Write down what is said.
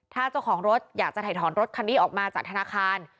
ถ้าเจ้าของรถอยากจะถ่ายถอนรถคันนี้ออกมาจากธนาคาร